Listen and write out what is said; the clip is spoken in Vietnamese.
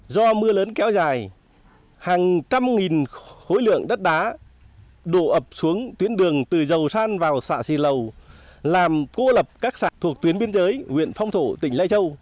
do mưa lớn kéo dài hàng trăm nghìn khối lượng đất đá đổ ập xuống tuyến đường từ dầu san vào xạ xì lầu làm cô lập các sạc thuộc tuyến biên giới huyện phong thổ tỉnh lai châu